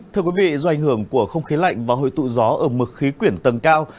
thưa quý vị do ảnh hưởng của không khí lạnh và hồi tụ gió ở mực khí quyển tầng cao